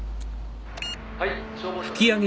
「はい消防庁です。